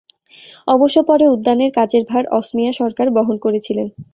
অবশ্য পরে উদ্যানের কাজের ভার অসমীয়া সরকার বহন করেছিলেন।